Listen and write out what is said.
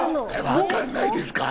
わかんないですか？